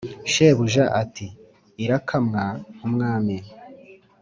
shebuja ati: “irakamwa nk’umwami”